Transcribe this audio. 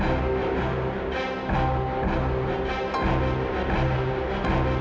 aku juga baru tahu mereka